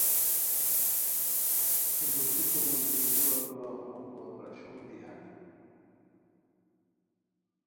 ہے بوݰیکو موژی کورا کورا ہون وا پراشوغ دی ہانی